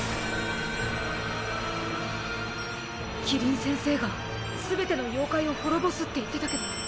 希林先生が全ての妖怪を滅ぼすって言ってたけど。